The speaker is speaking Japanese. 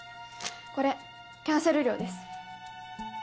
これキャンセル料です。